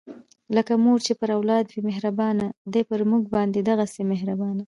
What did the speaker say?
لکه مور چې پر اولاد وي مهربانه، دی پر مونږ باندې دغهسې مهربانه